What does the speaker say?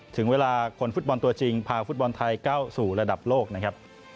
ถึงเวลาคนฟุตบอลตัวจริงพาฟุตบอลไทยก้าวสู่ระดับโลกนะครับ